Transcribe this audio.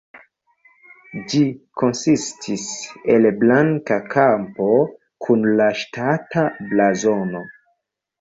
Ĝi konsistis el blanka kampo kun la ŝtata blazono.